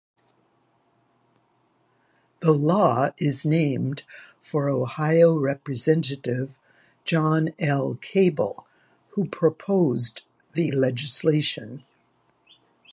The law is named for Ohio representative John L. Cable, who proposed the legislation.